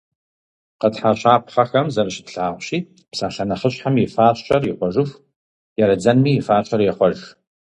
Къэтхьа щапхъэхэм зэрыщытлъагъущи, псалъэ нэхъыщхьэм и фащэр ихъуэжыху кӏэрыдзэнми и фащэр ехъуэж.